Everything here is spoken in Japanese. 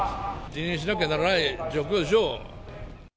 辞任しなきゃならない状況でしょ